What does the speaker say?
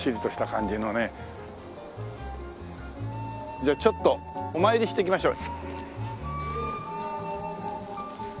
じゃあちょっとお参りしていきましょう。